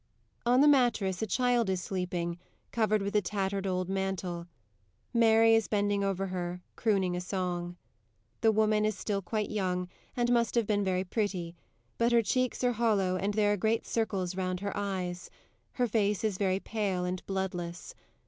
_ On the mattress a child is sleeping, covered with a tattered old mantle; MARY _is bending over her, crooning a song. The woman is still quite young, and must have been very pretty; but her cheeks are hollow and there are great circles round her eyes; her face is very pale and bloodless.